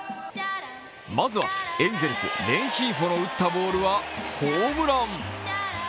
まずは、エンゼルスレンヒーフォの打ったボールはホームラン。